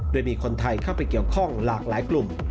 โดยมีคนไทยเข้าไปเกี่ยวข้องหลากหลายกลุ่ม